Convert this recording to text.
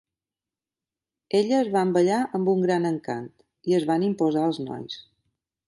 Elles van ballar amb un gran encant, i es van imposar als nois.